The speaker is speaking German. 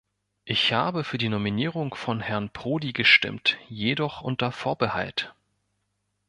Ich habe für die Nominierung von Herrn Prodi gestimmt, jedoch unter Vorbehalt.